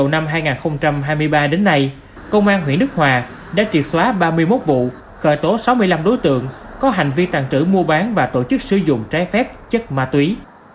năm hai nghìn hai mươi ba đến nay công an huyện đức hòa đã triệt xóa ba mươi một vụ khởi tố sáu mươi năm đối tượng có hành vi tàn trữ mua bán và tổ chức sử dụng trái phép chất ma túy